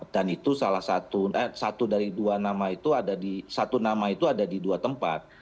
satu nama dan itu salah satu eh satu dari dua nama itu ada di satu nam itu ada di dua tempat